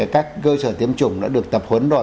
các cơ sở tiêm chủng đã được tập huấn rồi